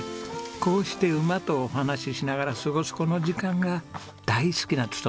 こうして馬とお話ししながら過ごすこの時間が大好きな勉さんです。